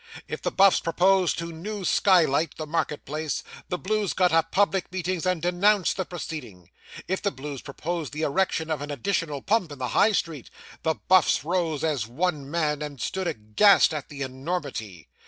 If the Buffs proposed to new skylight the market place, the Blues got up public meetings, and denounced the proceeding; if the Blues proposed the erection of an additional pump in the High Street, the Buffs rose as one man and stood aghast at the enormity.